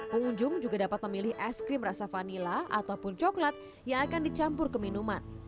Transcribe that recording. pengunjung juga dapat memilih es krim rasa vanila ataupun coklat yang akan dicampur ke minuman